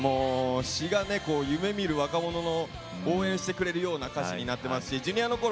詞が夢みる若者を応援してくれるような歌詞になっていますしＪｒ．のころ